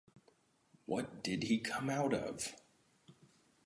What did we come out of?